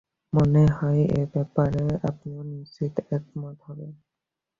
মনে হয়, এ ব্যাপারে আপনিও নিশ্চয় একমত হবেন।